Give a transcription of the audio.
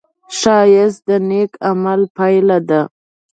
ښایست د نېک عمل پایله ده